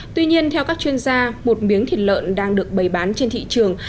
tuy nhiên theo các chuyên gia một miếng thịt lợn đang được bày bán trên thị trường